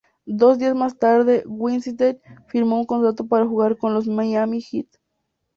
Dos días más tarde, Whiteside firmó un contrato para jugar con los Miami Heat.